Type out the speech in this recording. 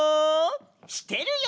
してるよ。